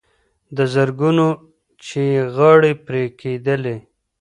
د زرګونو چي یې غاړي پرې کېدلې